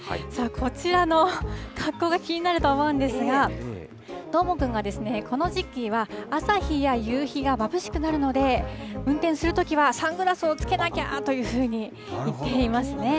こちらの格好が気になると思うんですが、どーもくんが、この時期は朝日や夕日がまぶしくなるので、運転するときはサングラスをつけなきゃというふうに言っています